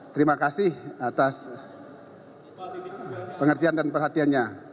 terima kasih atas pengertian dan perhatiannya